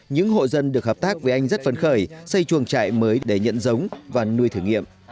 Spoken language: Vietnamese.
những hộ dân được hợp tác với anh rất phấn khởi xây chuồng trại mới để nhận giống và nuôi thử nghiệm